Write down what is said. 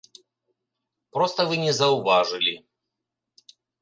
Проста вы не заўважылі.